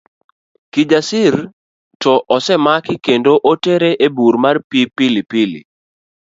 Kijasiri to osemaki kendo otere e bur mar pi Pilipili.